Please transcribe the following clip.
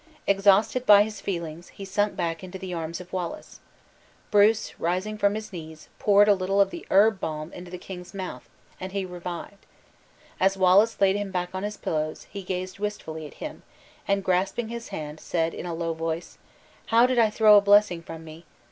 Exhausted by his feelings, he sunk back into the arms of Wallace. Bruce, rising from his knees, poured a little of the herb balsam into the king's mouth, and he revived. As Wallace laid him back on his pillows, he gazed wistfully at him, and grasping his hand, said in a low voice: "How did I throw a blessing from me!